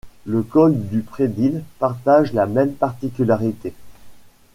Le col du Predil partage la même particularité.